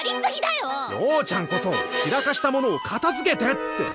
ようちゃんこそ散らかしたものを片づけてって！